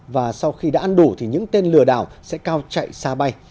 và sau khi đã ăn đủ thì những tên lừa đảo sẽ cao chạy xa bay